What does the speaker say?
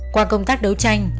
qua công tác đấu tranh